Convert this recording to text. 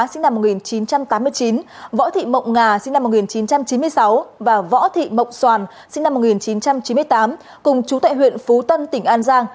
võ văn đá sinh năm một nghìn chín trăm tám mươi chín võ thị mộng ngà sinh năm một nghìn chín trăm chín mươi sáu và võ thị mộng xoàn sinh năm một nghìn chín trăm chín mươi tám cùng chú tại huyện phú tân tỉnh an giang